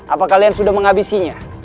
apa kalian sudah menghabisinya